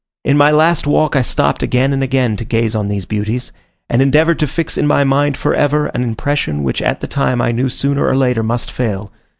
In my last walk I stopped again and again to gaze on these beauties, and endeavoured to fix in my mind for ever, an impression which at the time I knew sooner or later must fail.